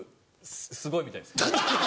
すごいみたいです。